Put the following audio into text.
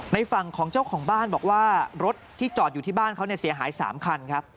ฝั่งของเจ้าของบ้านบอกว่ารถที่จอดอยู่ที่บ้านเขาเนี่ยเสียหาย๓คันครับ